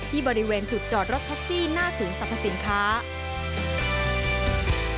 บริเวณจุดจอดรถแท็กซี่หน้าศูนย์สรรพสินค้า